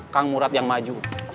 kang murad yang maju